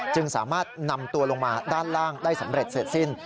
จึงสามารถนำตัวลงมาด้านล่างได้สำเร็จเสร็จสิ้น